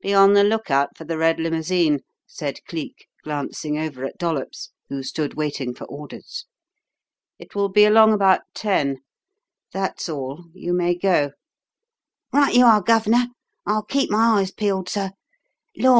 "Be on the lookout for the red limousine," said Cleek, glancing over at Dollops, who stood waiting for orders. "It will be along about ten. That's all. You may go." "Right you are, Gov'nor. I'll keep my eyes peeled, sir. Lor'!